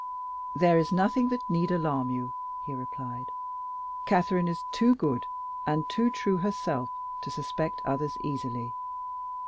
"There is nothing that need alarm you," he replied. "Catherine is too good and too true herself to suspect others easily.